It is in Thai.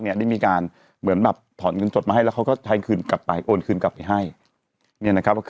อันนี้มีการเหมือนแบบถอนเงินจดมาให้แล้วเขาก็ใช้คืนกลับไปโอนคืนกลับไปให้